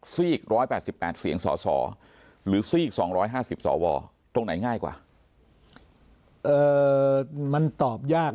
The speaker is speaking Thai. ซีก๑๘๘เสียงสสหรือซีก๒๕๐สวตรงไหนง่ายกว่ามันตอบยาก